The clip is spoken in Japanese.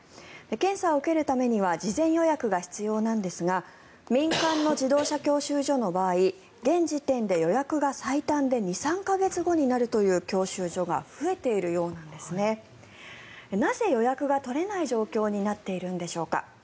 検査を受けるためには事前予約が必要なんですが民間の自動車教習所の場合現時点で予約が最短で２３か月後になるという教習所が増えているようなんですなぜ、予約が取れない状況になっているんでしょうか。